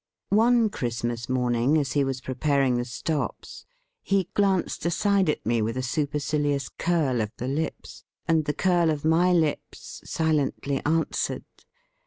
One Christmas morning, as he was preparing the stops, he glanced aside at me with a supercili ous curl of the lips, and the curl of my lips silently answered.